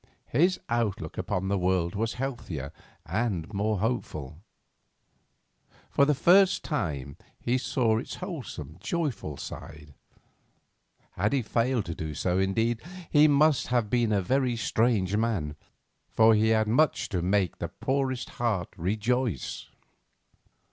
His outlook upon the world was healthier and more hopeful; for the first time he saw its wholesome, joyous side. Had he failed to do so, indeed, he must have been a very strange man, for he had much to make the poorest heart rejoice.